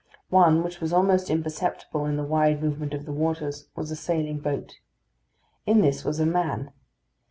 One, which was almost imperceptible in the wide movement of the waters, was a sailing boat. In this was a man.